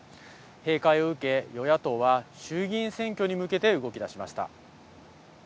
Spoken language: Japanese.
閉会を受け、与野党は衆議院選挙に向けて動きだしました。